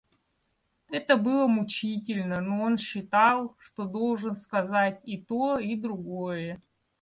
Это было мучительно, но он считал, что должен сказать и то и другое.